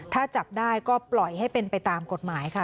ถ้าจับได้ก็ปล่อยให้เป็นไปตามกฎหมายค่ะ